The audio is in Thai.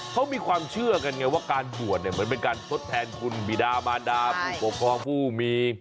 เขามีความเชื่อกันไงว่าการบวชเนี่ยเหมือนเป็นการทดแทนคุณบิดามารดาผู้ปกครองผู้มี